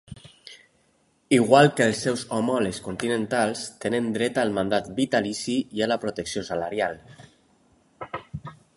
Igual que els seus homòlegs continentals, tenen dret al mandat vitalici i a la protecció salarial.